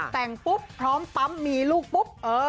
แต่งปุ๊บพร้อมปั๊มมีลูกปุ๊บ